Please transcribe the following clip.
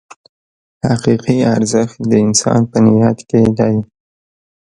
حقیقي ارزښت د انسان په نیت کې دی.